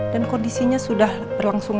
dan kondisinya sudah berlangsung